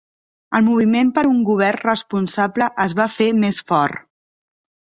El moviment per un govern responsable es va fer més fort.